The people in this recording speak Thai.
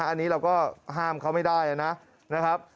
อันนี้เราก็ห้ามเขาไม่ได้นะครับ